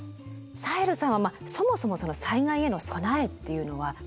サヘルさんはまあそもそも災害への備えっていうのはなさってますか？